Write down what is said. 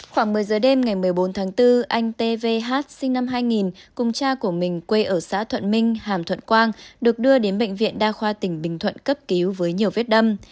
khoảng một mươi giờ đêm ngày một mươi bốn tháng bốn anh tvh sinh năm hai nghìn cùng cha của mình quê ở xã thuận minh hàm thuận quang được đưa đến bệnh viện đa khoa tỉnh bình thuận cấp cứu với nhiều vết đâm